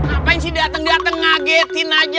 apaan sih dateng dateng ngagetin aja